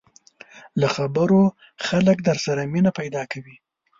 له خبرو خلک در سره مینه پیدا کوي